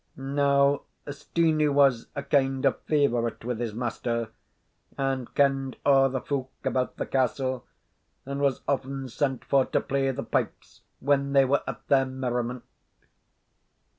Now Steenie was a kind of favourite with his master, and kend a' the folk about the castle, and was often sent for to play the pipes when they were at their merriment.